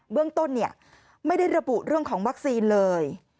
เรื่องต้นไม่ได้ระบุเรื่องของวัคซีนเลย